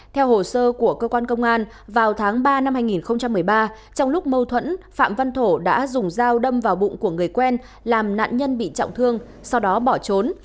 theo hồ sơ của cơ quan công an vào tháng ba năm hai nghìn một mươi ba trong lúc mâu thuẫn phạm văn thổ đã dùng dao đâm vào bụng của người quen làm nạn nhân bị trọng thương sau đó bỏ trốn